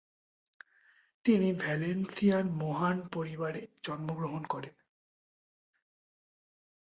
তিনি ভ্যালেন্সিয়ান মহান পরিবারে জন্মগ্রহণ করেন।